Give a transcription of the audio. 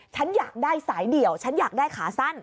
ฉันอยากได้สายเดี่ยวฉันอยากได้ขาสั้น